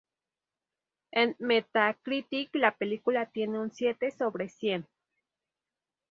En "Metacritic", la película tiene un siete sobre cien.